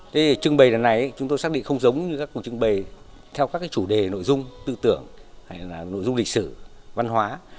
thế thì trưng bày lần này chúng tôi xác định không giống như các cuộc trưng bày theo các chủ đề nội dung tư tưởng hay là nội dung lịch sử văn hóa